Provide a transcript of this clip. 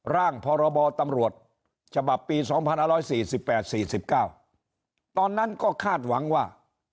ร่างพรบตำรวจฉบับปี๒๕๔๘๔๙ตอนนั้นก็คาดหวังว่า